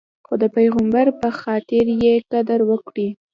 خو د پیغمبر په خاطر یې قدر وکړئ.